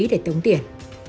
để tống tiền